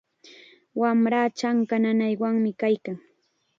Wamraa chanka nanaywanmi kaykan.